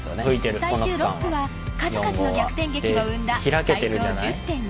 最終６区は数々の逆転劇を生んだ最長１０．２ｋｍ。